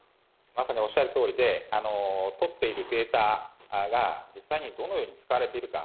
まさにおっしゃるとおりで、取っているデータが実際にどのように使われているか。